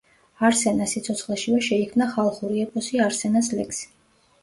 არსენას სიცოცხლეშივე შეიქმნა ხალხური ეპოსი „არსენას ლექსი“.